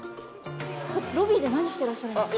ロビーで何してらっしゃるんですか？